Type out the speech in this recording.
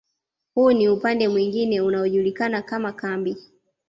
Huu ni upande mwingine unaojulikana kama kambi